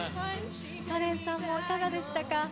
カレンさん、いかがでしたか。